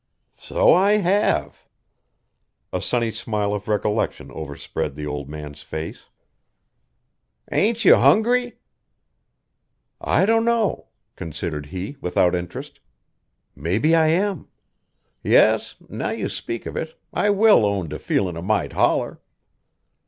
"So I have!" A sunny smile of recollection overspread the old man's face. "Ain't you hungry?" "I dunno," considered he without interest. "Mebbe I am. Yes, now you speak of it, I will own to feelin' a mite holler.